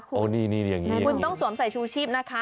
คุณต้องสวมใส่ชูชีพนะคะ